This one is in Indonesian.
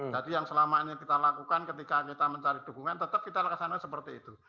jadi yang selama ini kita lakukan ketika kita mencari dukungan tetap kita laksanakan seperti itu